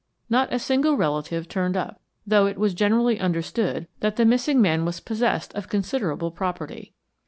Not a single relative turned up, though it was generally understood that the missing man was possessed of considerable property.